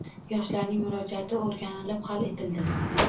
Yoshlarning murojaati o‘rganilib hal etildi